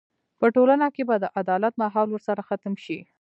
په ټولنه کې به د عدالت ماحول ورسره ختم شي.